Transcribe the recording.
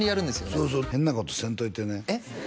そうそう変なことせんといてねえっ？